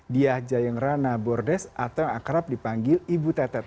dia jayang rana bordes atau yang akrab dipanggil ibu tetet